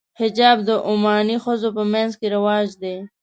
حجاب د عماني ښځو په منځ کې رواج دی.